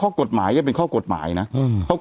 แต่หนูจะเอากับน้องเขามาแต่ว่า